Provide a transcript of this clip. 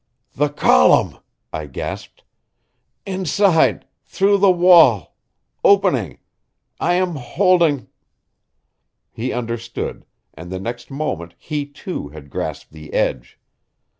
"The column!" I gasped. "Inside through the wall opening I am holding " He understood, and the next moment he, too, had grasped the edge.